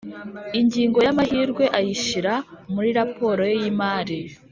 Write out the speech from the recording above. Ingingo y’amahirwe ayishyira muri raporo ye y ‘imari